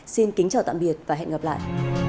xin kính chào tạm biệt và hẹn gặp lại